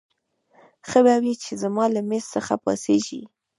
ښه به وي چې زما له مېز څخه پاڅېږې.